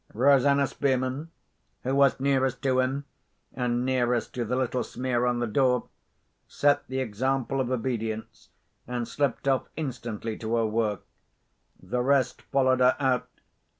Rosanna Spearman, who was nearest to him, and nearest to the little smear on the door, set the example of obedience, and slipped off instantly to her work. The rest followed her out.